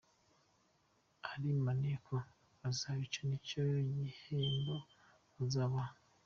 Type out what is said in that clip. Ari maneko azabica nicyo gihembo azabaha.